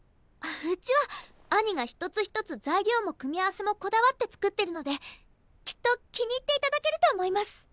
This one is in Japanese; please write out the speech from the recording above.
うちは兄が一つ一つ材料も組み合わせもこだわって作ってるのできっと気に入っていただけると思います！